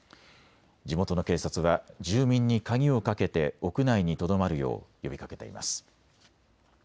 地元の警察は住民に鍵をかけて屋内にとどまるよう呼びかけています。